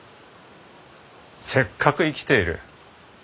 せっかく生きている。